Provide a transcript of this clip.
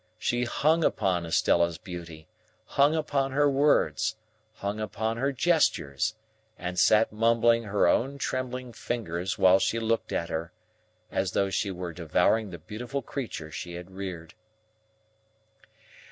She hung upon Estella's beauty, hung upon her words, hung upon her gestures, and sat mumbling her own trembling fingers while she looked at her, as though she were devouring the beautiful creature she had reared.